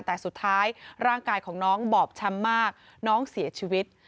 แต่สุดท้ายร่างกายของน้องบอบช้ำมากน้องเสียชีวิต